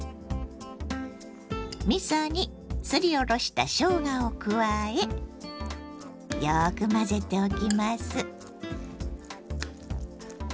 みそにすりおろしたしょうがを加えよく混ぜておきます。